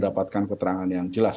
dapatkan keterangan yang jelas